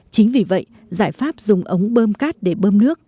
chính vì vậy giải pháp dùng ống bơm cát để bơm nước